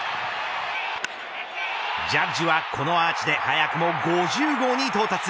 ジャッジはこのアーチで早くも５０号に到達。